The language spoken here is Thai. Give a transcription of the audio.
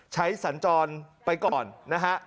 สัญจรไปก่อนนะฮะ